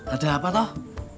ada apa toh